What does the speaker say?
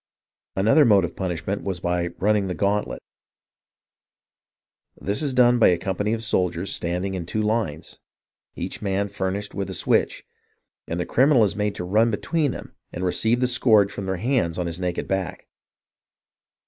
Another mode of punishment was by " running the gauntlet." " This is done by a company of soldiers stand ing in two lines, each [man] furnished with a switch, and the criminal is made to run between them and receive the scourge from their hands on his naked back."